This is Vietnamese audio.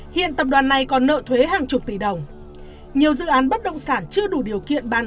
hiện tập đoàn này còn nợ thuế hàng chục tỷ đồng nhiều dự án bất động sản chưa đủ điều kiện bán